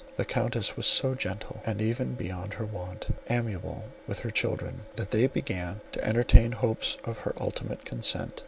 The Countess was so gentle, and even beyond her wont, amiable with her children, that they began to entertain hopes of her ultimate consent.